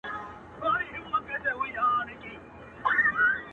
زما ژوند ته د ځانمرگي بـريـد پـه كــــــــــار دى,